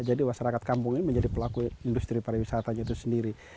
jadi wasarakat kampung ini menjadi pelaku industri pariwisatanya itu sendiri